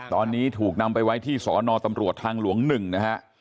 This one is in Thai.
ตอนนี้ถูกนำไปไว้ที่สอนอตำรวจทางหลวง๑นะฮะ